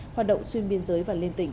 hoạt động xuyên biên giới và lên tỉnh